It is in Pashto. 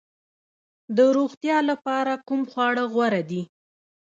د روغتیا لپاره کوم خواړه غوره دي؟